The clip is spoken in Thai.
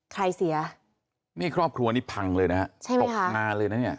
เสียนี่ครอบครัวนี้พังเลยนะฮะใช่ค่ะตกงานเลยนะเนี่ย